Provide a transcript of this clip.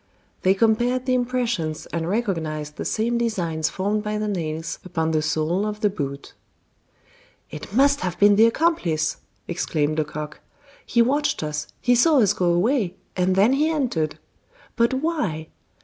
They compared the impressions and recognized the same designs formed by the nails upon the sole of the boot. "It must have been the accomplice!" exclaimed Lecoq. "He watched us, he saw us go away, and then he entered. But why?